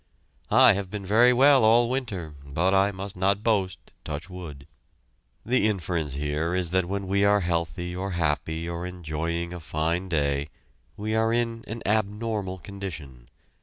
"I have been very well all winter, but I must not boast. Touch wood!" The inference here is that when we are healthy or happy or enjoying a fine day, we are in an abnormal condition.